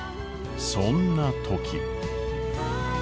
そんな時。